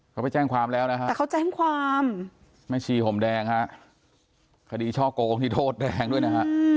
เขาไปแจ้งความแล้วนะฮะแต่เขาแจ้งความแม่ชีห่มแดงฮะคดีช่อโกงนี่โทษแดงด้วยนะฮะ